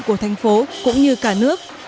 của thành phố cũng như cả nước